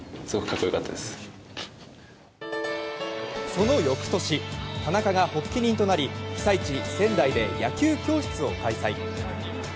その翌年田中が発起人となり被災地・仙台で野球教室を開催。